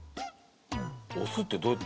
押すってどうやって？